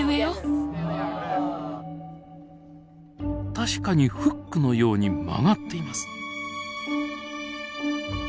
確かにフックのように曲がっています。